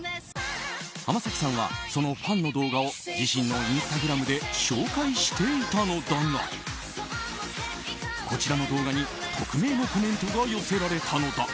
浜崎さんはそのファンの動画を自身のインスタグラムで紹介していたのだがこちらの動画に匿名のコメントが寄せられたのだ。